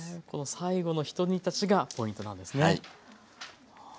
この最後のひと煮立ちがポイントなんですね。